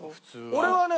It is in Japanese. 俺はね